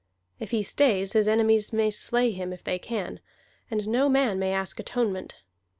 If he stays, his enemies may slay him if they can, and no man may ask atonement.